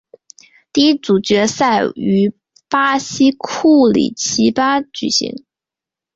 第一组决赛于巴西库里奇巴举行。